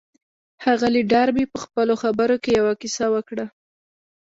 ښاغلي ډاربي په خپلو خبرو کې يوه کيسه وکړه.